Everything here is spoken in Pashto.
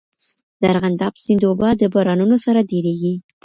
د ارغنداب سیند اوبه د بارانونو سره ډېریږي.